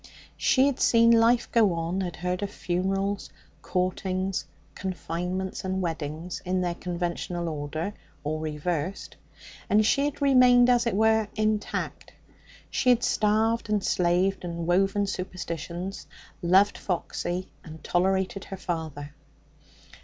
She had seen life go on, had heard of funerals, courtings, confinements and weddings in their conventional order or reversed and she had remained, as it were, intact. She had starved and slaved and woven superstitions, loved Foxy, and tolerated her father.